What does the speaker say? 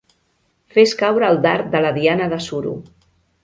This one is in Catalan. Fes caure el dard de la diana de suro.